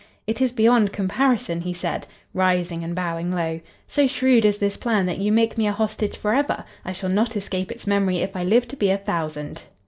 "It is beyond comparison," he said, rising and bowing low. "So shrewd is this plan that you make me a hostage forever; I shall not escape its memory if I live to be a thousand."